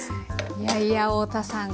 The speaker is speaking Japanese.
いやいや太田さん